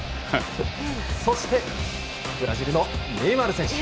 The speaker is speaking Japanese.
そして、ブラジルのネイマール選手。